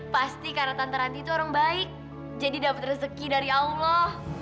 pasti karena tante anti itu orang baik jadi dapat rezeki dari allah